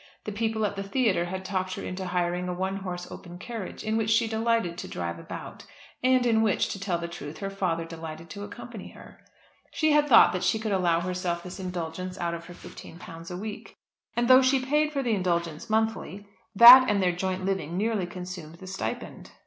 The people at the theatre had talked her into hiring a one horse open carriage in which she delighted to drive about, and in which, to tell the truth, her father delighted to accompany her. She had thought that she could allow herself this indulgence out of her £15 a week. And though she paid for the indulgence monthly, that and their joint living nearly consumed the stipend.